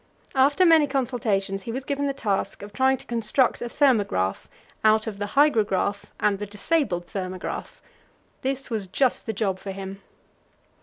After many consultations he was given the task of trying to construct a thermograph out of the hygrograph and the disabled thermograph; this was just the job for him.